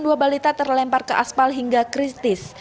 dua balita terlempar ke aspal hingga kritis